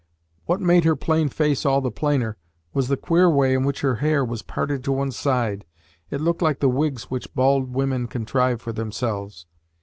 What made her plain face all the plainer was the queer way in which her hair was parted to one side (it looked like the wigs which bald women contrive for themselves).